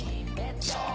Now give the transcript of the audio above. そう。